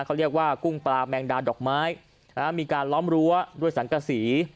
เขาเรียกว่ากุ้งปลาแมงดาดอกไม้มีการล้อมรั้วด้วยสังกษี